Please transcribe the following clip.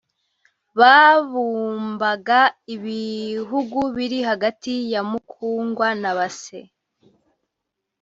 Babumbaga ibihugu biri hagati ya Mukungwa na Base